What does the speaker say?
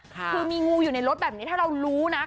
คือมีงูอยู่ในรถแบบนี้ถ้าเรารู้นะ